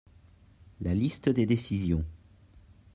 la liste des décisions.